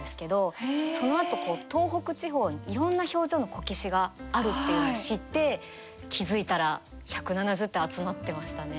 そのあと東北地方にいろんな表情のこけしがあるっていうのを知って気付いたら１７０体集まってましたね。